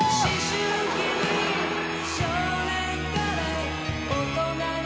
「思春期に少年から大人に」